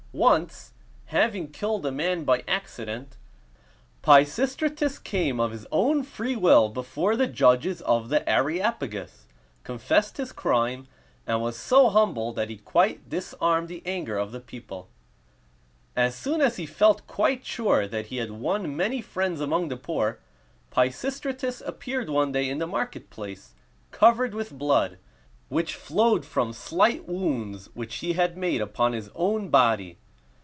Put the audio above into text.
Once, having killed a man by accident, Pisistratus came of his own free will before the judges of the Areopagus, confessed his crime, and was so humble that he quite disarmed the anger of the people. As soon as he felt quite sure that he had won many friends among the poor, Pisistratus appeared one day in the market place, covered with blood, which flowed from slight wounds which he had made upon his own body.